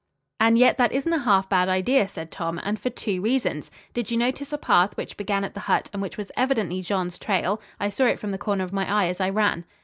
"And yet that isn't a half bad idea," said Tom, "and for two reasons. Did you notice a path which began at the hut and which was evidently Jean's trail? I saw it from the corner of my eye as I ran."